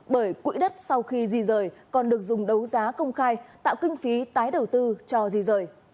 bởi quỹ đất sau khi di rời còn được dùng đấu giá công khai tạo kinh phí tái đầu tư cho di rời